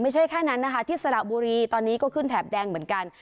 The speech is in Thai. ไม่ใช่แค่นั้นนะคะที่สระบุรีตอนนี้ก็ขึ้นแถบแดงเหมือนกัน